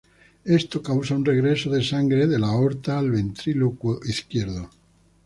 Esto causa un regreso de sangre de la aorta al ventrículo izquierdo.